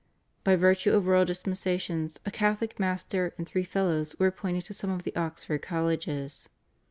By virtue of royal dispensations a Catholic master and three fellows were appointed to some of the Oxford colleges.